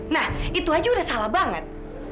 nah itu aja udah salah banget